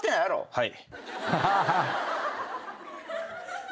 はい。